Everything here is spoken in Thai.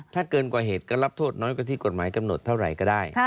ถ้าเกินกว่าเหตุก็รับโทษน้อยกว่าที่กฎหมายกำหนดเท่าไหร่ก็ได้